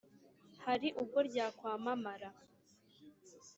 Hari ubwo ryakwamamara